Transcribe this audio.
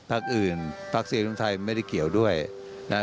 พักอื่นพักเศรษฐ์ธรรมไทยมันไม่ได้เกี่ยวด้วยนะฮะ